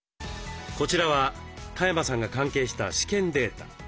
こちらは多山さんが関係した試験データ。